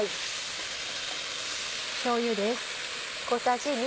しょうゆです。